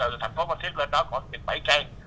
từ thành phố bà thiết lên đó có một mươi bảy cây